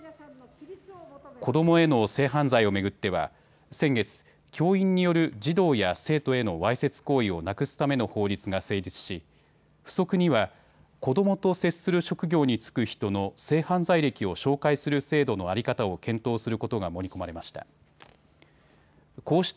子どもへの性犯罪を巡っては先月、教員による児童や生徒へのわいせつ行為をなくすための法律が成立し付則には子どもと接する職業に就く人の性犯罪歴を照会する制度の在り方を検討することが盛り込まれました。